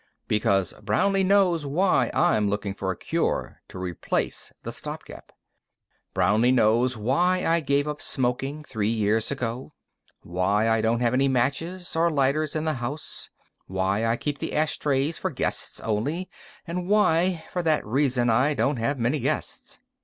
Because Brownlee knows why I'm looking for a cure to replace the stopgap. Brownlee knows why I gave up smoking three years ago, why I don't have any matches or lighters in the house, why I keep the ashtrays for guests only, and why, for that reason, I don't have many guests.